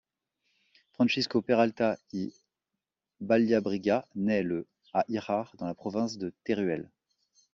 Francisco Peralta y Ballabriga nait le à Híjar dans la province de Teruel.